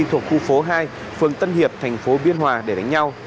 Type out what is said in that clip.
thuộc khu phố hai phường tân hiệp thành phố biên hòa để đánh nhau